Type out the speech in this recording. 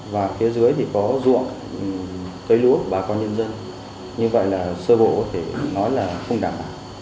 và phía dưới thì có ruộng cây lúa bà con nhân dân như vậy là sơ bộ có thể nói là không đảm bảo